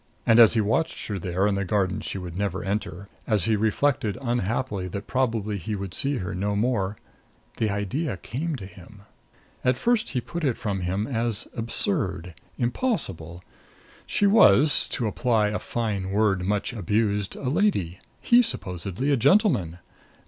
And as he watched her there in the garden she would never enter, as he reflected unhappily that probably he would see her no more the idea came to him. At first he put it from him as absurd, impossible. She was, to apply a fine word much abused, a lady; he supposedly a gentleman.